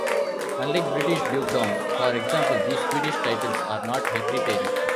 Unlike British dukedoms, for example, these Swedish titles are not hereditary.